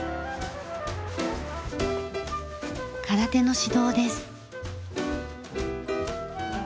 空手の指導です。